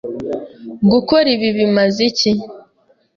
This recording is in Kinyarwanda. Gukora ibi bimaze iki?